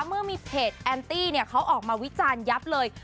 เมื่อมีเพจแอนตี้เขาออกมาวิจารณ์ยับเลย